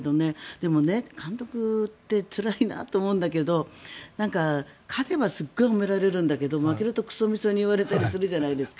でもね、監督ってつらいなって思うんだけど勝てばすごく褒められるんだけど負けるとくそみそに言われたりするじゃないですか。